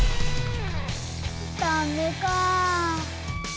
ダメか。